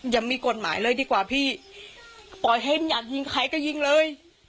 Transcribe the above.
ยังมีกฎหมายเลยดีกว่าพี่ปล่อยเห็นอยากยิงใครก็ยิงเลย